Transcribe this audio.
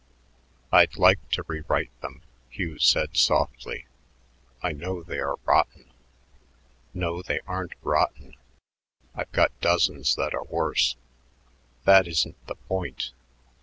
"I'd like to rewrite them," Hugh said softly. "I know they are rotten." "No, they aren't rotten. I've got dozens that are worse. That isn't the point.